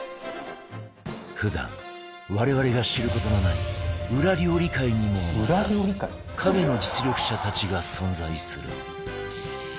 普段我々が知る事のない裏料理界にもまた影の実力者たちが存在する